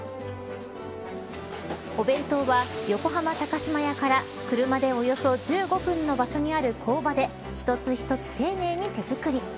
お弁当は、横浜高島屋から車でおよそ１５分の場所にある工場で一つ一つ、丁寧に手作り。